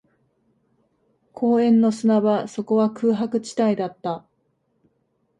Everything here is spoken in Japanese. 公園の砂場、そこは空白地帯だった